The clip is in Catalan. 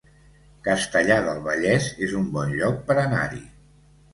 Castellar del Vallès es un bon lloc per anar-hi